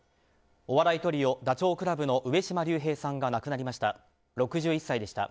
お笑いトリオ、ダチョウ倶楽部の上島竜兵さんが亡くなりました。